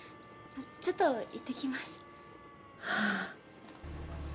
ちょっといってきます。